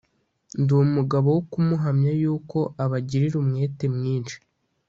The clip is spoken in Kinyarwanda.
Ndi umugabo wo kumuhamya yuko abagirira umwete mwinshi